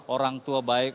orang tua baik